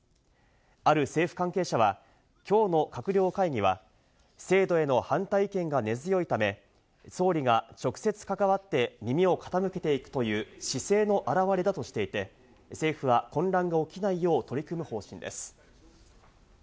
ある政府関係者は、きょうの閣僚会議は、制度への反対意見が根強いため、総理が直接関わって耳を傾けていくという姿勢の表れだとしていて、政府は混乱が起きないよう取り組む方針です。